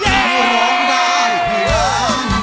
ว่ารองได้ให้ล้าง